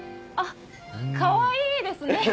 あっかわいいですね！